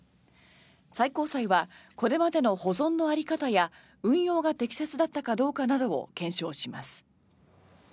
最高裁はこれまでの保存の在り方や運用が適切だったかどうかなどを検証します。